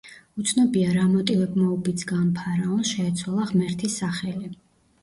უცნობია რა მოტივებმა უბიძგა ამ ფარაონს შეეცვალა ღმერთის სახელი.